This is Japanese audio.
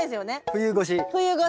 冬越し。